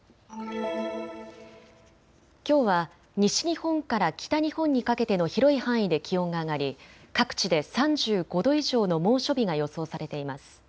きょうは西日本から北日本にかけての広い範囲で気温が上がり各地で３５度以上の猛暑日が予想されています。